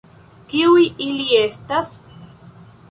Kiuj ili estas?